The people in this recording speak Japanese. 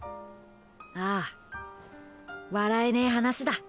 あぁ笑えねえ話だ。